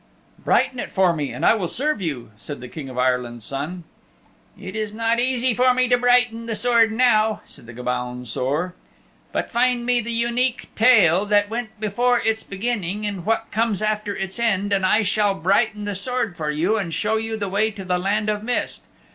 "Brighten it for me and I will serve you," said the King of Ireland's Son. "It is not easy for me to brighten the Sword now," said the Gobaun Saor. "But find me the Unique Tale and what went before its beginning and what comes after its end, and I shall brighten the sword for you and show you the way to the Land of Mist.